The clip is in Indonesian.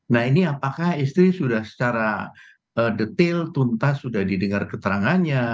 nah ini apakah istri sudah secara detail tuntas sudah didengar keterangannya